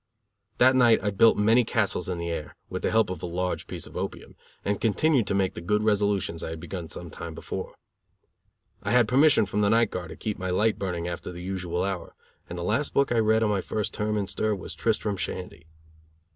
That night I built many castles in the air, with the help of a large piece of opium: and continued to make the good resolutions I had begun some time before. I had permission from the night guard to keep my light burning after the usual hour, and the last book I read on my first term in stir was Tristram Shandy.